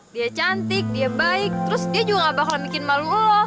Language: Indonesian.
dia cantik dia baik terus dia juga gak bakal bikin malu oh